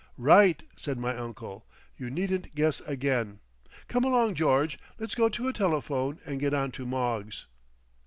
"Right," said my uncle. "You needn't guess again. Come along, George, let's go to a telephone and get on to Moggs.